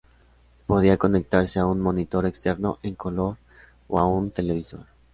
Podía conectarse a un monitor externo en color o a un televisor.